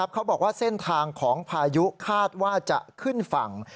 เขาบอกว่าเส้นทางของพายุคาดว่าจะขึ้นฝั่ง